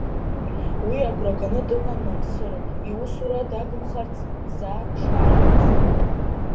Уи агәраганы дыҟан Мамсыр, иусура дагымхарц, заа дшааиуаз.